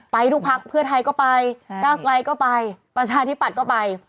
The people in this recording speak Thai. ไปทุกพักเพื่อไทยก็ไปก้าวไกลก็ไปประชาธิปัตย์ก็ไป